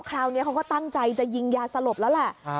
คราวนี้เขาก็ตั้งใจจะยิงยาสลบแล้วแหละ